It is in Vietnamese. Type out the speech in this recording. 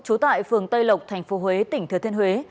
trú tại phường tây lộc tp huế tỉnh thừa thiên huế